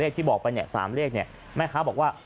เลขที่บอกไปเนี่ยสามเลขแม่คะบอกว่า